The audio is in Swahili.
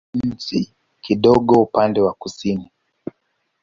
Upo katikati ya nchi, kidogo upande wa kusini.